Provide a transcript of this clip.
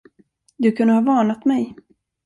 Du kunde ha varnat mig.